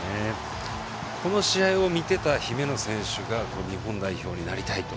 この試合を見てた姫野選手が日本代表になりたいと。